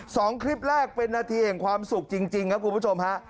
สองคลิปแรกเป็นนาทีแห่งความสุขจริงครับคุณผู้ชมฮะ